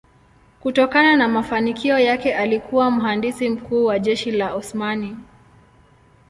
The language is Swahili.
Kutokana na mafanikio yake alikuwa mhandisi mkuu wa jeshi la Osmani.